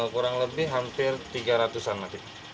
kurang lebih hampir tiga ratus an mati